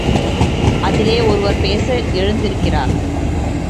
அதிலே ஒருவர் பேச எழுந்திருக்கிறார்.